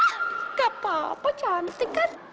tidak apa apa cantik kan